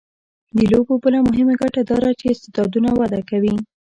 د لوبو بله مهمه ګټه دا ده چې استعدادونه وده کوي.